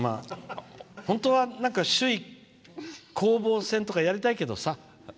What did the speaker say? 本当は、首位攻防戦とかやりたいけどさ。